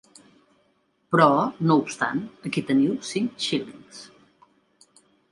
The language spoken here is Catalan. Però, no obstant, aquí teniu cinc xílings.